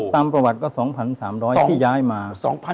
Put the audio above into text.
ตามประวัติก็๒๓๐๐ที่ย้ายมา